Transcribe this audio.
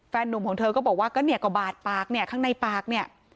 หนุ่มของเธอก็บอกว่าก็เนี่ยก็บาดปากเนี่ยข้างในปากเนี่ย